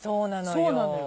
そうなのよ。